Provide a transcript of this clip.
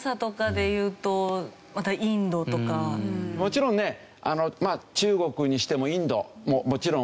もちろんね中国にしてもインドももちろん多い。